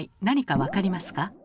何か分かりますか？